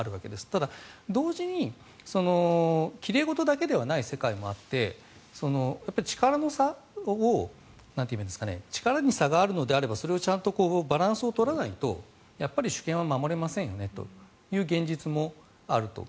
ただ、同時に奇麗事だけではない世界もあって力に差があるのであればちゃんとバランスを取らないとやっぱり主権は守れませんよねという現実もあると。